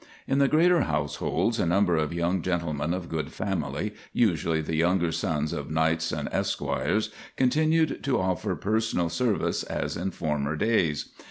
In the greater households a number of young gentlemen of good family, usually the younger sons of knights and esquires, continued to offer personal service as in former days.